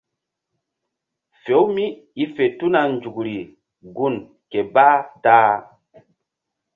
Fe-u mí i fe tuna nzukri gun ké bah ta.